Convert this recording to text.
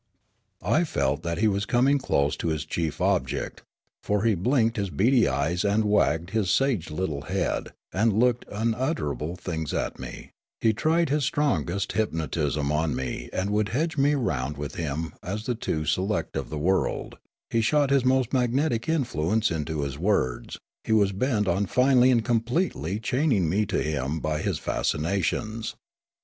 I felt that he was coming close to his chief object, for he blinked his bead}' eyes and wagged his sage little head and looked unutterable things at me ; he tried his strongest hypnotism on me and would hedge me round with him as the two select of the world ; he shot his most magnetic influence into his words ; he was bent on finally and completely chaining me to him by his fascinations.